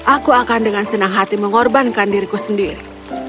aku akan dengan senang hati mengorbankan diriku sendiri